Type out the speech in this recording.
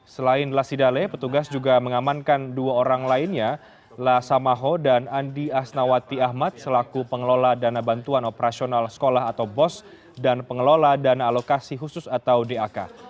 selain lasidale petugas juga mengamankan dua orang lainnya la samaho dan andi asnawati ahmad selaku pengelola dana bantuan operasional sekolah atau bos dan pengelola dana alokasi khusus atau dak